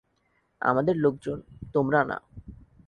আমাদের লোকজন, তোমরা না।